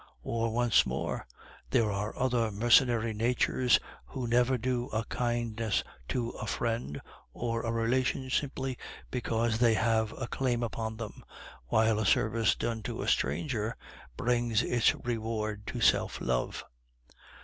Or, once more, there are other mercenary natures who never do a kindness to a friend or a relation simply because these have a claim upon them, while a service done to a stranger brings its reward to self love.